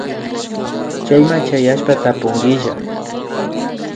Chayman chayashpa tapunkilla